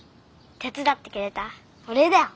手伝ってくれたお礼だよ。